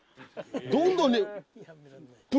どんどん。